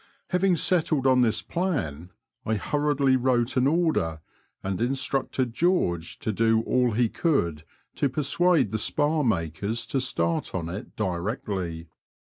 Having settled on this plan, I hurriedly wrote an order, and instructed George to do all he could to persuade the spar makers to start on it directly.